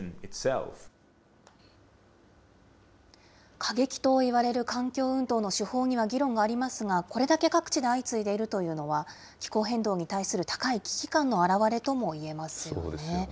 過激といわれる環境運動の手法には議論がありますが、これだけ各地で相次いでいるというのは、気候変動に対する高い危機感の表れともいえますよね。